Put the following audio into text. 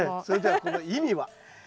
それではこの意味は？